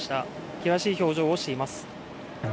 険しい表情をしています。